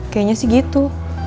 kayaknya sih gitu